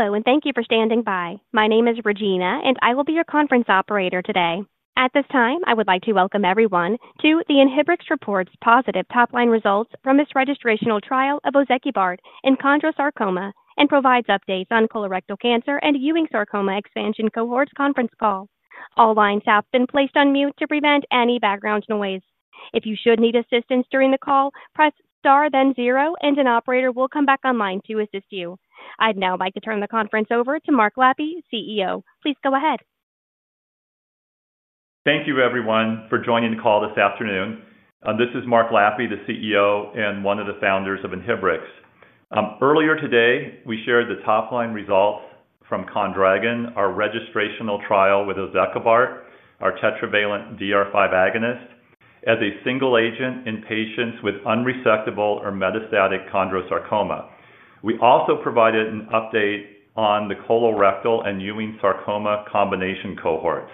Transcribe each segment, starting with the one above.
Hello, and thank you for standing by. My name is Regina, and I will be your conference operator today. At this time, I would like to welcome everyone to the Inhibrx report's positive top-line results from its registrational trial of ozekibart in chondrosarcoma and provides updates on colorectal cancer and Ewing sarcoma expansion cohort's conference call. All lines have been placed on mute to prevent any background noise. If you should need assistance during the call, press star, then zero, and an operator will come back online to assist you. I'd now like to turn the conference over to Mark Lappe, CEO. Please go ahead. Thank you, everyone, for joining the call this afternoon. This is Mark Lappe, the CEO and one of the founders of Inhibrx. Earlier today, we shared the top-line results from ChonDRAgon, our registrational trial with ozekibart, our tetravalent DR5 agonist, as a single agent in patients with unresectable or metastatic chondrosarcoma. We also provided an update on the colorectal and Ewing sarcoma combination cohorts.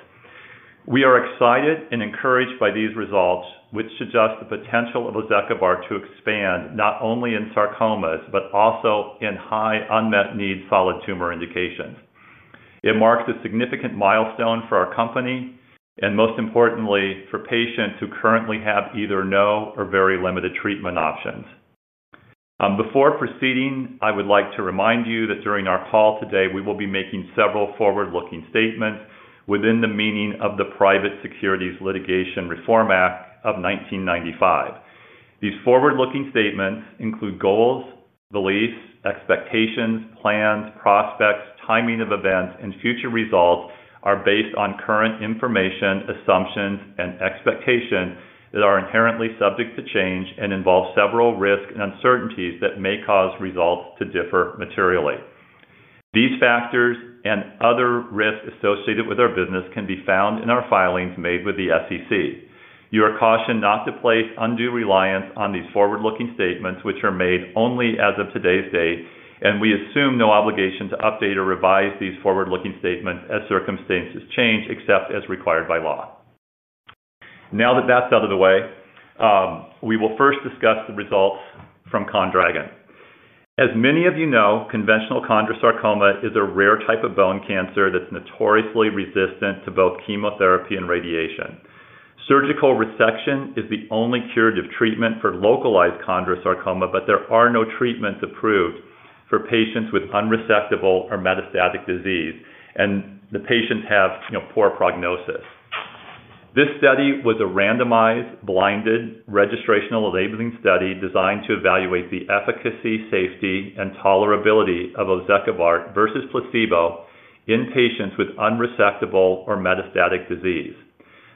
We are excited and encouraged by these results, which suggest the potential of ozekibart to expand not only in sarcomas but also in high unmet need solid tumor indications. It marks a significant milestone for our company and, most importantly, for patients who currently have either no or very limited treatment options. Before proceeding, I would like to remind you that during our call today, we will be making several forward-looking statements within the meaning of the Private Securities Litigation Reform Act of 1995. These forward-looking statements include goals, beliefs, expectations, plans, prospects, timing of events, and future results, are based on current information, assumptions, and expectations that are inherently subject to change and involve several risks and uncertainties that may cause results to differ materially. These factors and other risks associated with our business can be found in our filings made with the SEC. You are cautioned not to place undue reliance on these forward-looking statements, which are made only as of today's date, and we assume no obligation to update or revise these forward-looking statements as circumstances change except as required by law. Now that that's out of the way, we will first discuss the results from ChonDRAgon. As many of you know, conventional chondrosarcoma is a rare type of bone cancer that's notoriously resistant to both chemotherapy and radiation. Surgical resection is the only curative treatment for localized chondrosarcoma, but there are no treatments approved for patients with unresectable or metastatic disease, and the patients have poor prognosis. This study was a randomized, blinded registrational labeling study designed to evaluate the efficacy, safety, and tolerability of ozekibart versus placebo in patients with unresectable or metastatic disease.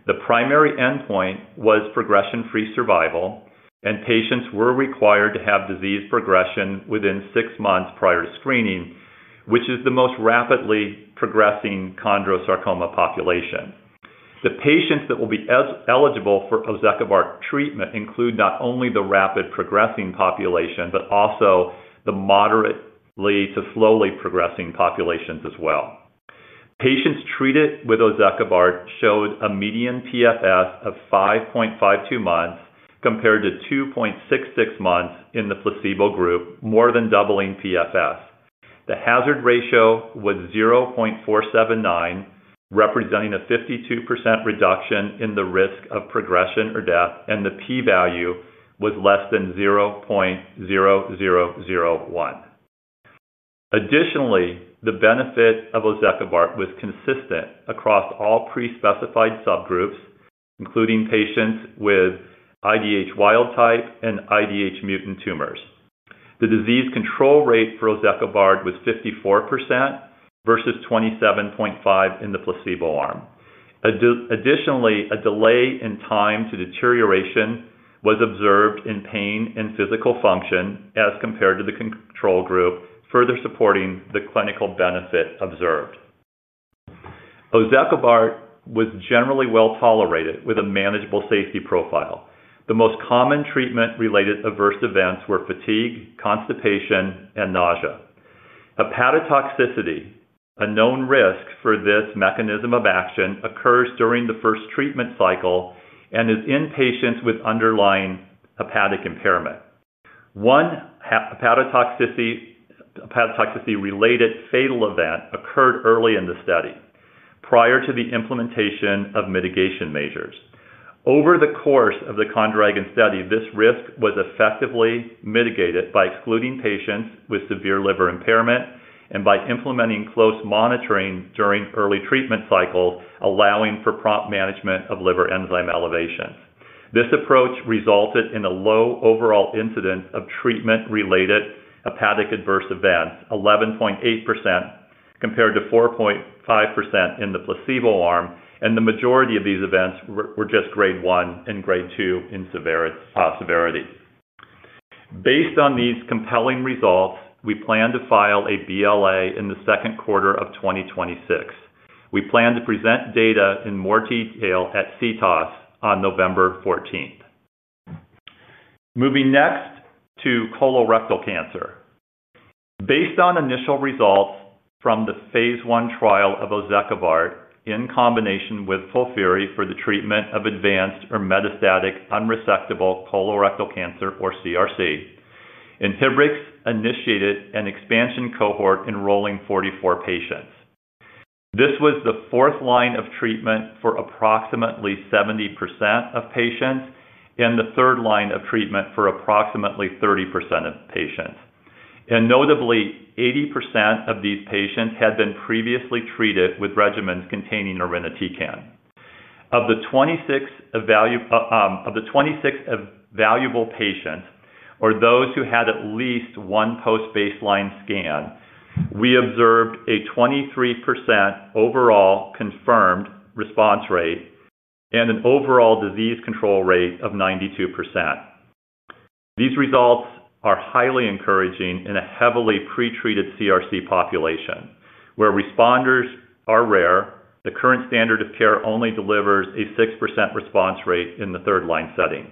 The primary endpoint was progression-free survival, and patients were required to have disease progression within six months prior to screening, which is the most rapidly progressing chondrosarcoma population. The patients that will be eligible for ozekibart treatment include not only the rapid progressing population but also the moderately to slowly progressing populations as well. Patients treated with ozekibart showed a median PFS of 5.52 months compared to 2.66 months in the placebo group, more than doubling PFS. The hazard ratio was 0.479, representing a 52% reduction in the risk of progression or death, and the p-value was less than 0.0001. Additionally, the benefit of ozekibart was consistent across all pre-specified subgroups, including patients with IDH wild type and IDH mutant tumors. The disease control rate for ozekibart was 54% versus 27.5% in the placebo arm. Additionally, a delay in time to deterioration was observed in pain and physical function as compared to the control group, further supporting the clinical benefit observed. Ozekibart was generally well tolerated with a manageable safety profile. The most common treatment-related adverse events were fatigue, constipation, and nausea. Hepatotoxicity, a known risk for this mechanism of action, occurs during the first treatment cycle and is in patients with underlying hepatic impairment. One hepatotoxicity-related fatal event occurred early in the study prior to the implementation of mitigation measures. Over the course of the ChonDRAgon study, this risk was effectively mitigated by excluding patients with severe liver impairment and by implementing close monitoring during early treatment cycles, allowing for prompt management of liver enzyme elevations. This approach resulted in a low overall incidence of treatment-related hepatic adverse events, 11.8% compared to 4.5% in the placebo arm, and the majority of these events were just Grade 1 and Grade 2 in severity. Based on these compelling results, we plan to file a BLA in the second quarter of 2026. We plan to present data in more detail at CTOS on November 14th. Moving next to colorectal cancer. Based on initial results from the phase I trial of ozekibart in combination with FOLFIRI for the treatment of advanced or metastatic unresectable colorectal cancer, or CRC, Inhibrx initiated an expansion cohort enrolling 44 patients. This was the fourth-line of treatment for approximately 70% of patients and the third-line of treatment for approximately 30% of patients. Notably, 80% of these patients had been previously treated with regimens containing irinotecan. Of the 26 evaluable patients or those who had at least one post-baseline scan, we observed a 23% overall confirmed response rate and an overall disease control rate of 92%. These results are highly encouraging in a heavily pretreated CRC population, where responders are rare. The current standard of care only delivers a 6% response rate in the third-line setting.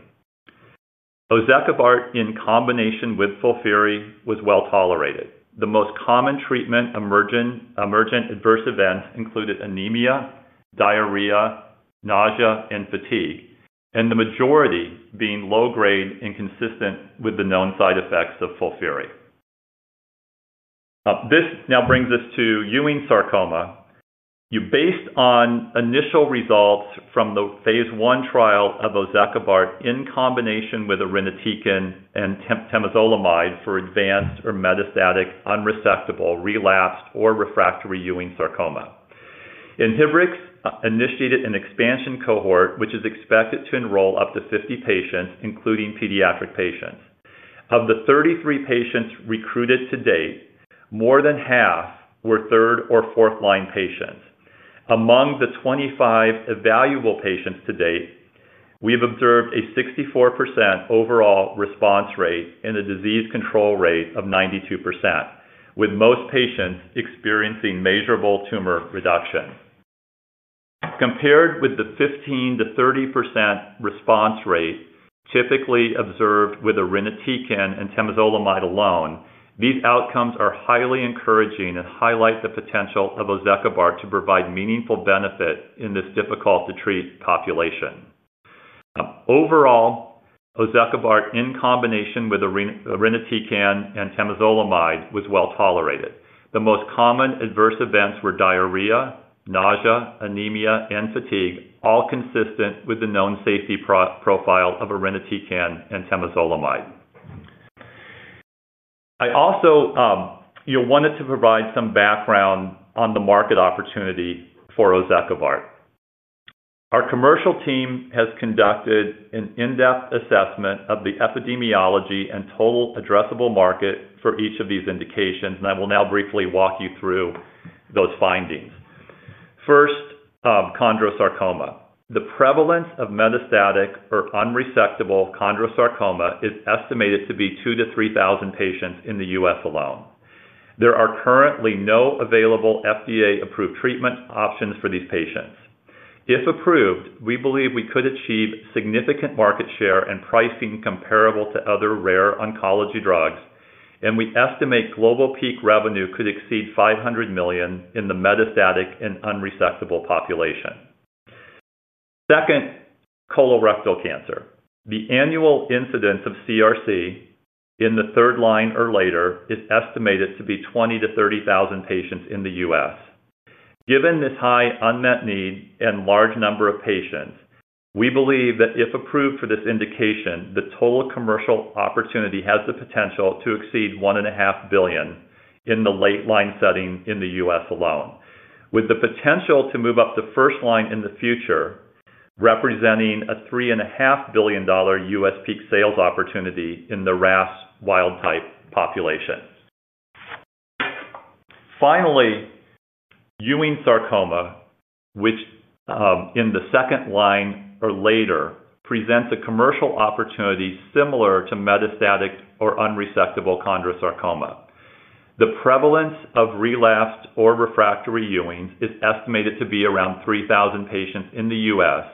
Ozekibart in combination with FOLFIRI was well tolerated. The most common treatment-emergent adverse events included anemia, diarrhea, nausea, and fatigue, the majority being low grade and consistent with the known side effects of FOLFIRI. This now brings us to Ewing sarcoma. Based on initial results from the phase I trial of ozekibart in combination with irinotecan and temozolomide for advanced or metastatic unresectable relapsed or refractory Ewing sarcoma, Inhibrx initiated an expansion cohort, which is expected to enroll up to 50 patients, including pediatric patients. Of the 33 patients recruited to date, more than 1/2 were third or fourth-line patients. Among the 25 evaluable patients to date, we've observed a 64% overall response rate and a disease control rate of 92%, with most patients experiencing measurable tumor reduction. Compared with the 15%-30% response rate typically observed with irinotecan and temozolomide alone, these outcomes are highly encouraging and highlight the potential of ozekibart to provide meaningful benefit in this difficult-to-treat population. Overall, ozekibart in combination with irinotecan and temozolomide was well tolerated. The most common adverse events were diarrhea, nausea, anemia, and fatigue, all consistent with the known safety profile of irinotecan and temozolomide. I also wanted to provide some background on the market opportunity for ozekibart. Our commercial team has conducted an in-depth assessment of the epidemiology and total addressable market for each of these indications, and I will now briefly walk you through those findings. First, chondrosarcoma. The prevalence of metastatic or unresectable chondrosarcoma is estimated to be 2,000 to 3,000 patients in the U.S. alone. There are currently no available FDA-approved treatment options for these patients. If approved, we believe we could achieve significant market share and pricing comparable to other rare oncology drugs, and we estimate global peak revenue could exceed $500 million in the metastatic and unresectable population. Second, colorectal cancer. The annual incidence of CRC in the third-line or later is estimated to be 20,000 to 30,000 patients in the U.S. Given this high unmet need and large number of patients, we believe that if approved for this indication, the total commercial opportunity has the potential to exceed $1.5 billion in the late line setting in the U.S. alone, with the potential to move up to first line in the future, representing a $3.5 billion U.S. peak sales opportunity in the RAS wild type population. Finally, Ewing sarcoma, which in the second line or later presents a commercial opportunity similar to metastatic or unresectable chondrosarcoma. The prevalence of relapsed or refractory Ewing's is estimated to be around 3,000 patients in the U.S.,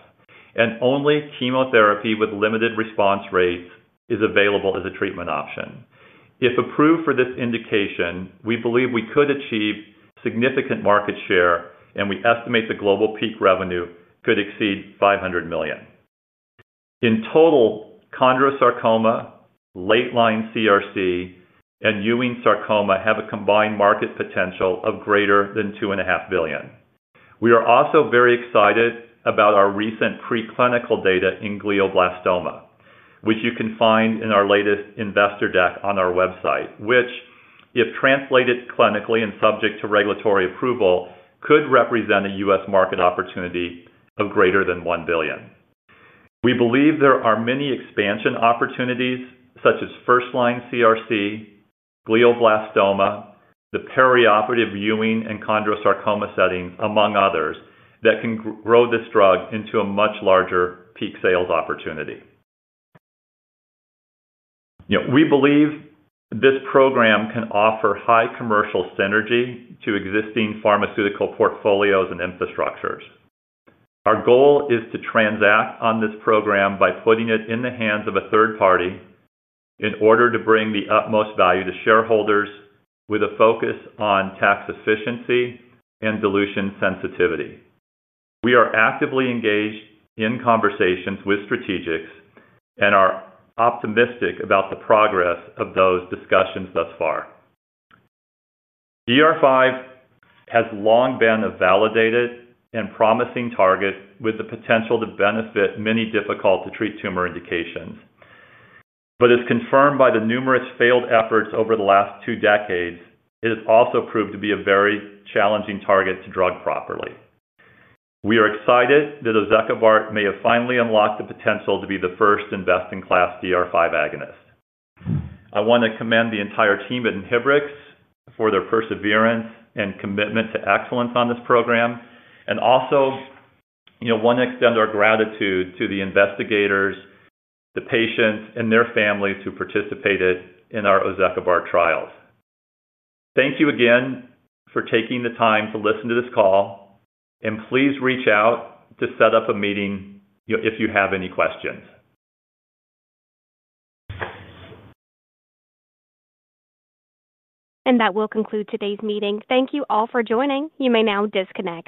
and only chemotherapy with limited response rates is available as a treatment option. If approved for this indication, we believe we could achieve significant market share, and we estimate the global peak revenue could exceed $500 million. In total, chondrosarcoma, late line CRC, and Ewing sarcoma have a combined market potential of greater than $2.5 billion. We are also very excited about our recent preclinical data in glioblastoma, which you can find in our latest investor deck on our website, which, if translated clinically and subject to regulatory approval, could represent a U.S. market opportunity of greater than $1 billion. We believe there are many expansion opportunities, such as first line CRC, glioblastoma, the perioperative Ewing and chondrosarcoma settings, among others, that can grow this drug into a much larger peak sales opportunity. We believe this program can offer high commercial synergy to existing pharmaceutical portfolios and infrastructures. Our goal is to transact on this program by putting it in the hands of a third party in order to bring the utmost value to shareholders with a focus on tax efficiency and dilution sensitivity. We are actively engaged in conversations with StrategyX and are optimistic about the progress of those discussions thus far. DR5 has long been a validated and promising target with the potential to benefit many difficult-to-treat tumor indications. As confirmed by the numerous failed efforts over the last two decades, it has also proved to be a very challenging target to drug properly. We are excited that ozekibart may have finally unlocked the potential to be the first in class DR5 agonist. I want to commend the entire team at Inhibrx for their perseverance and commitment to excellence on this program, and also want to extend our gratitude to the investigators, the patients, and their families who participated in our ozekibart trials. Thank you again for taking the time to listen to this call, and please reach out to set up a meeting if you have any questions. That will conclude today's meeting. Thank you all for joining. You may now disconnect.